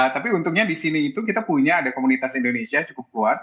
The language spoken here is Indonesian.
tapi untungnya di sini itu kita punya ada komunitas indonesia cukup kuat